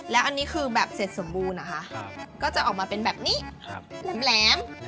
แล้วอันนี้คือแบบเสร็จสมบูรณ์นะคะก็จะออกมาเป็นแบบนี้แหลม